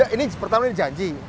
ini pertama ini janji